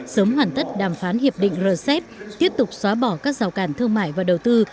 sớm hoàn tất đàm phán hiệp định rcep tiếp tục xóa bỏ các rào cản thương mại và đầu tư